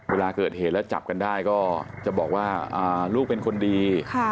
เวลาเกิดเหตุแล้วจับกันได้ก็จะบอกว่าลูกเป็นคนดี